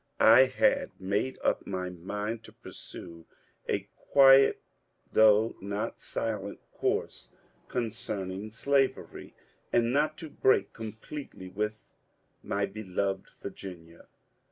I had made up my mind to pursue a quiet though not silent course concerning slavery, and not to break completely with my beloved Virginia.